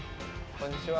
こんにちは。